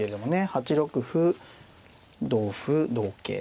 ８六歩同歩同桂。